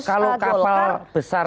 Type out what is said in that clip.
kalau kapal besar